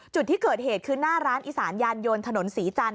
จุดที่เกิดเหตุคือหน้าร้านอีสานยานยนต์ถนนศรีจันท